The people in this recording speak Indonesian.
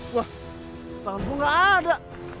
wah tangan gue gak ada